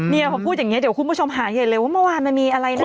พอพูดอย่างนี้เดี๋ยวคุณผู้ชมหาใหญ่เลยว่าเมื่อวานมันมีอะไรนะ